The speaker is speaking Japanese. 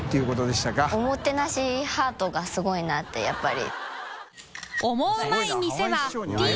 おもてなしハートがすごいなってやっぱり。